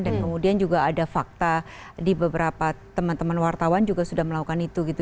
dan kemudian juga ada fakta di beberapa teman teman wartawan juga sudah melakukan itu gitu